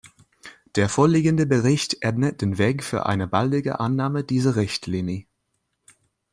Der vorliegende Bericht ebnet den Weg für eine baldige Annahme dieser Richtlinie.